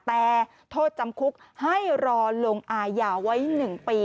แต่โทษจำคุกให้รอลงอายาไว้๑ปี